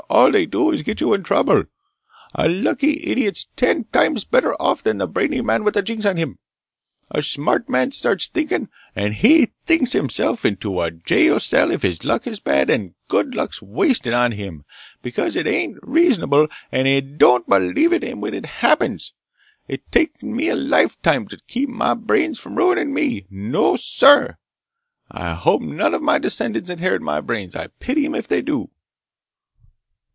All they do is get you into trouble! A lucky idiot's ten times better off than a brainy man with a jinx on him! A smart man starts thinkin', and he thinks himself into a jail cell if his luck is bad, and good luck's wasted on him because it ain't reasonable and he don't believe in it when it happens! It's taken me a lifetime to keep my brains from ruinin' me! No, sir! I hope none o' my descendants inherit my brains! I pity 'em if they do!"